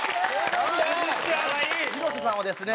広瀬さんはですね